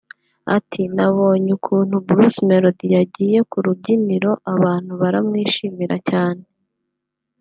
Ati “Nabonye ukuntu Bruce Melody yagiye ku rubyiniro abantu baramwishimira cyane